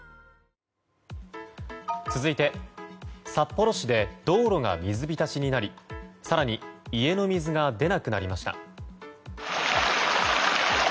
続いて、札幌市で道路が水浸しになり更に、家の水が出なくなりました。